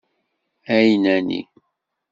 ɛinani.